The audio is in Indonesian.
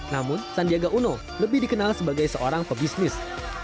namun sandiaga uno lebih dikenal sebagai seorang pebisnis